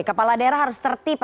kita harus tertipa